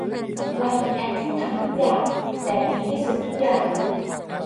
ไลน์เป็นแอปที่ทำทุกอย่าง แต่ดีไม่สุดทุกอย่าง